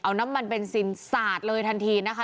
เอาน้ำมันเบนซินสาดเลยทันทีนะคะ